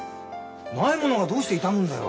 ないものがどうして痛むんだよ！？